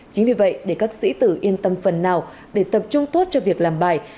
chính vì vậy để các sĩ tử yên tâm phần nào để tập trung tốt cho việc làm bài